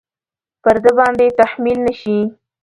پر ده باندې تحمیل نه شي.